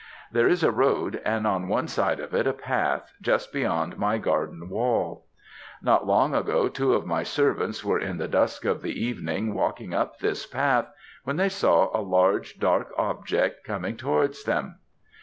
"There is a road, and on one side of it a path, just beyond my garden wall. Not long ago two of my servants were in the dusk of the evening walking up this path, when they saw a large, dark object coming towards them.